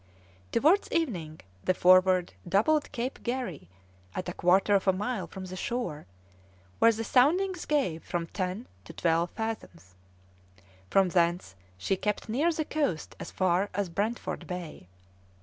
Towards evening the Forward doubled Cape Garry at a quarter of a mile from the shore, where the soundings gave from ten to twelve fathoms; from thence she kept near the coast as far as Brentford Bay.